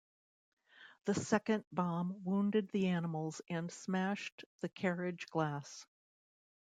The second bomb wounded the animals and smashed the carriage glass.